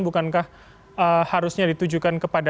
bukankah harusnya ditujukan kepada